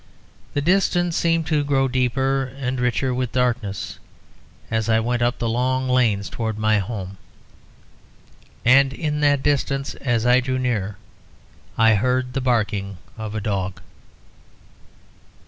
The distance seemed to grow deeper and richer with darkness as I went up the long lanes towards my home; and in that distance, as I drew nearer, I heard the barking of a dog.